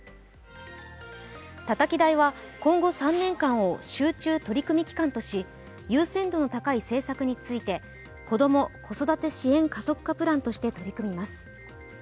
たたき台は今後３年間を集中取組期間とし優先度の高い政策についてこども・子育て支援加速化プランとして取り組みます。